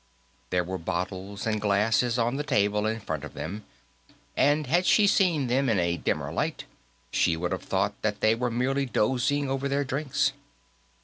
There were bottles and glasses on the table in front of them, and, had she seen them in a dimmer light, she would have thought that they were merely dozing over their drinks.